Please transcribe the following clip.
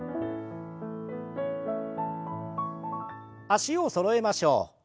脚をそろえましょう。